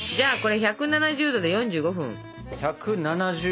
１７０℃４５分！